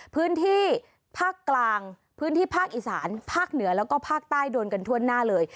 พื้นที่ภาคกลางพื้นที่ภาคอีสานภาคเหนือแล้วก็ภาคใต้โดนกันทั่วหน้าเลย